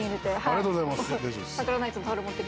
ありがとうございます。